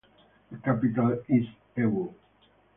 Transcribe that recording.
The capital is Ewo.